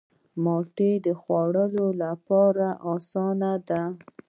مالټه د خوړلو لپاره آسانه ده.